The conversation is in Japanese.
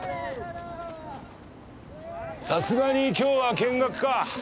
さすがに今日は見学か。